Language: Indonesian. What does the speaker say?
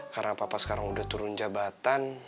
karena papa sekarang udah turun jabatan